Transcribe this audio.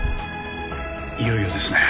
いよいよですね。